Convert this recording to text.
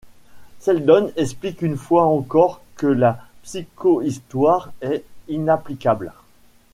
Seldon explique une fois encore que la psychohistoire est inapplicable.